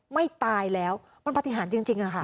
ไม่ตายแล้วมันปฏิหารจริงอะค่ะ